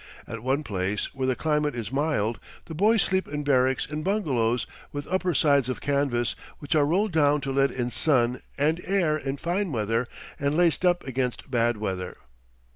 At one place, where the climate is mild, the boys sleep in barracks in bungalows with upper sides of canvas, which are rolled down to let in sun and air in fine weather and laced up against bad weather.